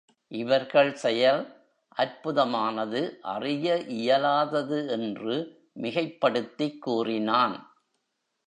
இவர்கள் செயல் அற்புதமானது, அறிய இயலாதது என்று மிகைப்படுத்திக் கூறினான்.